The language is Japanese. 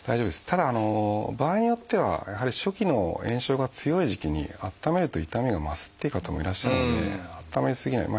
ただ場合によってはやはり初期の炎症が強い時期にあっためると痛みが増すっていう方もいらっしゃるのであっため過ぎない。